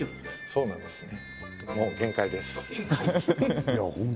そうなんですね